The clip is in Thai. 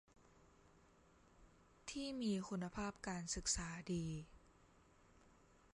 ที่มีคุณภาพการศึกษาดี